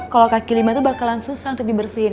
kalau kaki lima itu bakalan susah untuk dibersihin